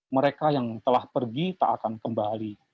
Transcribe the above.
mereka yang telah pergi tak akan kembali